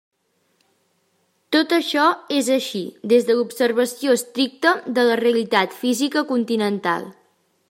Tot això és així des de l'observació estricta de la realitat física continental.